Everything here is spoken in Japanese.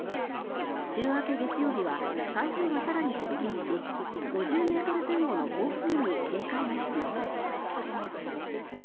週明け月曜日は台風が更に接近し５０ｍ前後の暴風に警戒が必要です。